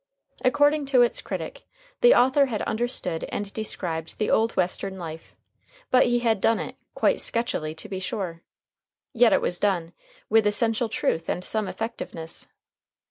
According to its critic, the author had understood and described the old Western life, but he had done it "quite sketchily, to be sure." Yet it was done "with essential truth and some effectiveness."